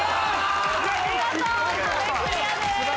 見事壁クリアです。